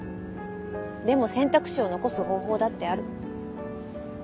でも選択肢を残す方法だってある。